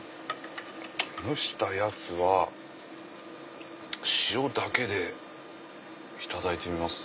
蒸したやつは塩だけでいただいてみます。